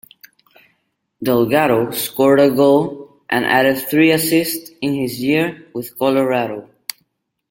Delgado scored a goal and added three assists in his year with Colorado.